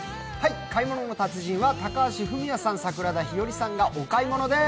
「買い物の達人」は高橋文哉さん、桜田ひよりさんがお買い物です。